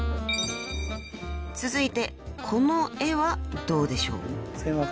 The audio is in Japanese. ［続いてこの絵はどうでしょう？］